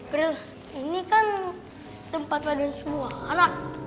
bril ini kan tempat paduan semua anak